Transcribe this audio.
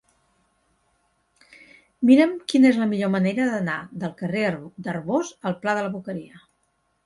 Mira'm quina és la millor manera d'anar del carrer d'Arbós al pla de la Boqueria.